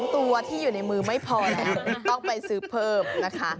ตัวที่อยู่ในมือไม่พอแล้วต้องไปซื้อเพิ่มนะคะ